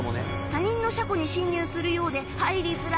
他人の車庫に侵入するようで入りづらい